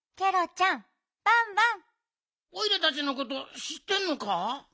おいらたちのことしってんのか？